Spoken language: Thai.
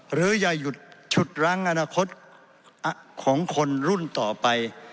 หรืออย่าหยุดฉุดรั้งอนาคตของคนรุ่นต่อไป